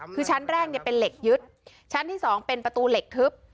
คือชั้นแรกเป็นเหล็กยึดชั้นที่๒เป็นประตูเหล็กทึบ